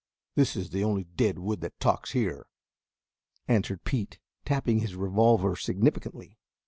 "This is the only dead wood that talks here," answered Pete, tapping his revolver significantly.